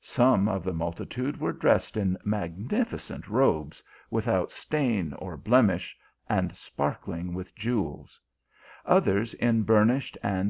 Some of the multitude were dressed in magnificent robes, without stain or blem ish, and sparkling with jewels ; others in burnished and?